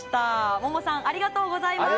ももさん、ありがとうございます。